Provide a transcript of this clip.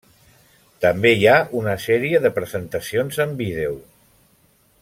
També hi ha una sèrie de presentacions en vídeo.